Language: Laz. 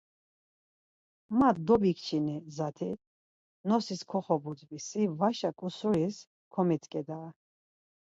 Ma dobik-çini zati, nosis koxobudvi, si vaşa ǩusuris komitzǩeda.